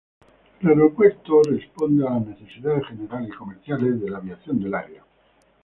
El aeropuerto responde a las necesidades generales y comerciales de la aviación del área.